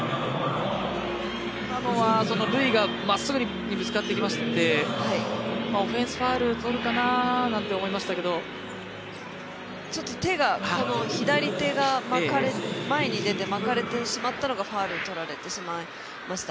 今のはルイがまっすぐにぶつかってきましてオフェンスファウルとるかななんて思いましたけど手が、左手が前に出て巻かれてしまったのがファウル取られてしまいました。